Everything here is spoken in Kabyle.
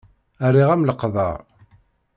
Rriɣ-am leqder.